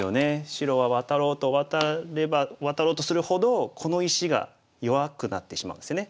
白はワタろうとワタればワタろうとするほどこの石が弱くなってしまうんですよね。